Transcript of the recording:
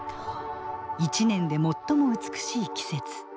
一年で最も美しい季節。